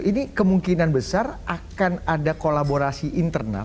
ini kemungkinan besar akan ada kolaborasi internal